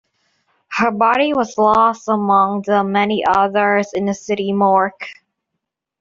Her body was lost among the many others in the city morgue.